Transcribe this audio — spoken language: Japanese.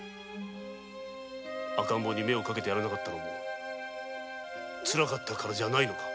赤ん坊に目を掛けてやれなかったのも辛かったからじゃないのか？